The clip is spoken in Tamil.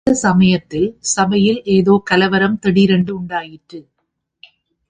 அந்தச் சமயத்தில் சபையில் ஏதோ கலவரம் திடீரென்று உண்டாயிற்று.